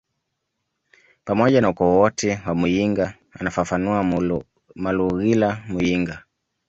pamoja na ukoo wote wa muyinga anafafanua Malugila Muyinga